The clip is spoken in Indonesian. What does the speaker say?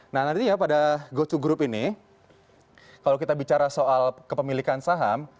nah nanti ya pada go dua group ini kalau kita bicara soal kepemilikan saham